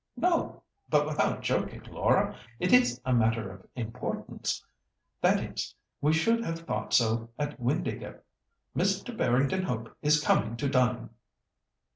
"No! But without joking, Laura, it is a matter of importance. That is—we should have thought so at Windāhgil. Mr. Barrington Hope is coming to dine."